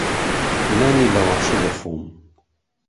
نانی لەواشە دەخۆم.